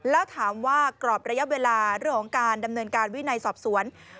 แล้วถามว่ากรอบระยะเวลาเรื่องของการดำเนินการวินัยสอบสวน